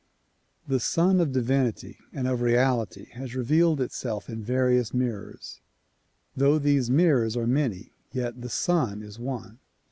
The Sun of Divinity and of Reality has revealed itself in various mirrors. Though these mirrors are many, yet the Sun is one.